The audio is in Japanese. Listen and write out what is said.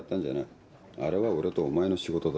あれは俺とお前の仕事だろ。